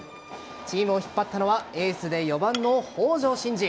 チームを引っ張ったのはエースで４番の北條慎治。